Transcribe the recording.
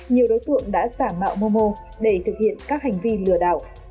nhiều đối tượng đã giả mạo momo để thực hiện các hành vi lừa đảo